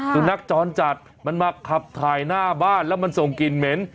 สุนัขจรจัดมันมาขับถ่ายหน้าบ้านแล้วมันส่งกลิ่นเหม็น